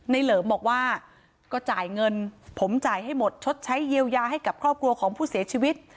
เหลิมบอกว่าก็จ่ายเงินผมจ่ายให้หมดชดใช้เยียวยาให้กับครอบครัวของผู้เสียชีวิต